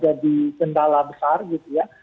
jadi kendala besar gitu ya